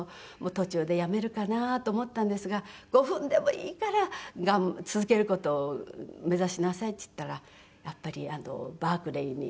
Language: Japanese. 途中で辞めるかなと思ったんですが「５分でもいいから続ける事を目指しなさい」って言ったらやっぱりバークリーに。